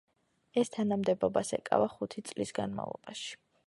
ეს თანამდებობას ეკავა ხუთი წლის განმავლობაში.